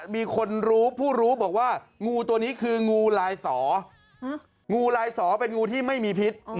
มีคนรู้ผู้รู้บอกว่างูตัวนี้คืองูลายสองูลายสอเป็นงูที่ไม่มีพิษ